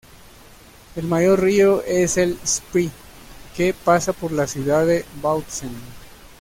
El mayor río es el Spree, que pasa por la ciudad de Bautzen.